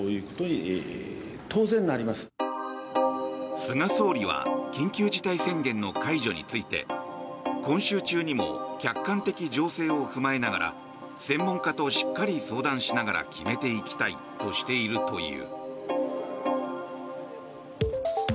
菅総理は緊急事態宣言の解除について今週中にも客観的情勢を踏まえながら専門家としっかり相談しながら決めていきたいとしているという。